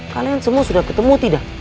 kalian semua sudah ketemu tidak